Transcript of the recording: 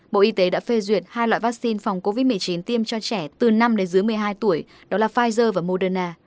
bộ y tế đã phê duyệt hai loại vaccine phòng covid một mươi chín tiêm cho trẻ từ năm đến dưới một mươi hai tuổi đó là pfizer và moderna